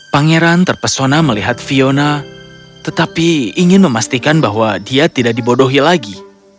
pangeran terpesona melihat fiona tetapi ingin memastikan bahwa dia tidak dibodohi lagi